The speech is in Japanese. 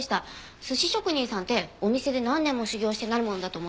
寿司職人さんってお店で何年も修業してなるものだと思ってました。